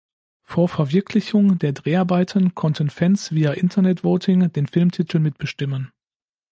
Vor Verwirklichung der Dreharbeiten konnten Fans via Internet-Voting den Filmtitel mitbestimmen.